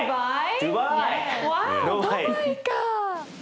ドバイか。